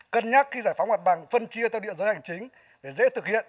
cân nhắc khi giải phóng mặt bằng phân chia theo địa giới hành chính để dễ thực hiện